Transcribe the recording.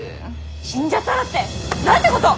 死んじゃったらってなんてことを！